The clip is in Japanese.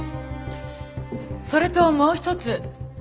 それともう一つ。